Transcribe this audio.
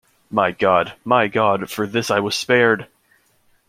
My God, my God, for this I was spared!